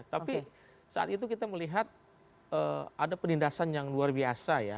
tapi saat itu kita melihat ada penindasan yang luar biasa ya